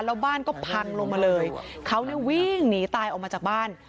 แล้วบ้านก็พังลงมาเลยเขาเนี่ยวิ่งหนีตายออกมาจากบ้าน